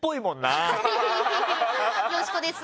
よし子です。